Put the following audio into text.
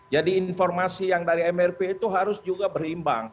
jadi informasi yang dari mrp itu harus juga berimbang